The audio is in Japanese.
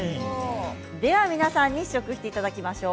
皆さんに試食していただきましょう。